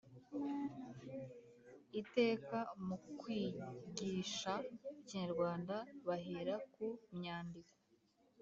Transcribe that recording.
iteka mu kwigisha ikinyarwanda bahera ku myandiko